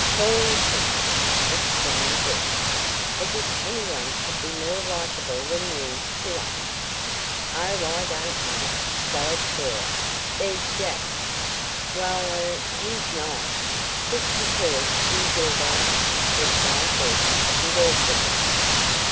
"Cora Kimball!" exclaimed Bess. "As if any one could be more likable than you to us!" "Oh, I don't know," sighed Cora. "There's Jack." "Well er he's nice just because he's your brother," replied Bess a bit awkwardly.